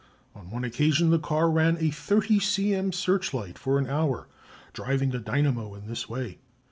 On one occasion the car ran a 30 c.m. searchlight for an hour, driving a dynamo in this way.